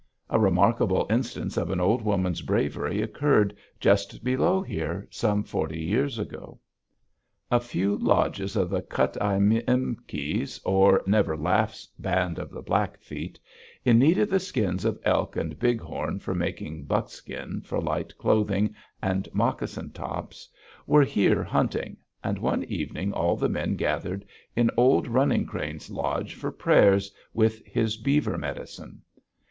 A remarkable instance of an old woman's bravery occurred just below here some forty years ago. A few lodges of the Kut´ ai im iks, or Never Laughs band of the Blackfeet, in need of the skins of elk and bighorn for making "buckskin" for light clothing and moccasin tops, were here hunting, and one evening all the men gathered in old Running Crane's lodge for prayers with his beaver medicine.